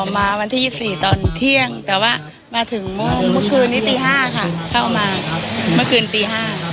อ๋อมาวันที่ยี่สิบสี่ตอนเที่ยงแต่ว่ามาถึงโมงเมื่อคืนนี้ตีห้าค่ะเข้ามาเมื่อคืนตีห้า